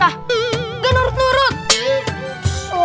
jangan getar zat wow